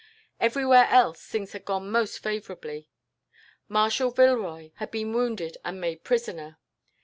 Everywhere else things had gone most favourably. Marshal Villeroy had been wounded and made prisoner.